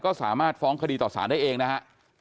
ก็สามารถฟ้องคดีต่อสารได้เองนะฮะ